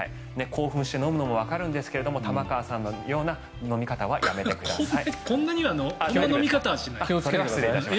興奮して飲むのもわかるんですが玉川さんのような飲み方はしないでください。